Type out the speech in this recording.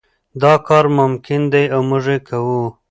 دا کار ممکن دی او موږ یې کوو.